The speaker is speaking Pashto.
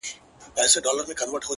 چي زموږ څه واخله دا خيرن لاســـــونه،